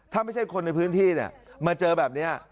ถ้าไม่ใช่คนในพื้นที่เนี่ยมาเจอแบบนี้